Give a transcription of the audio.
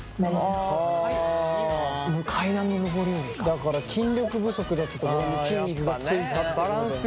だから筋力不足だったところに筋肉がついたってことだよね。